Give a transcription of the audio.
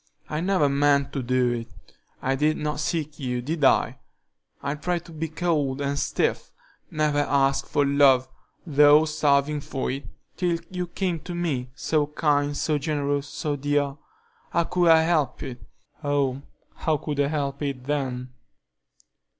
I never meant to do it. I did not seek you, did I? I tried to be cold and stiff; never asked for love, though starving for it, till you came to me, so kind, so generous, so dear,—how could I help it? Oh, how could I help it then?"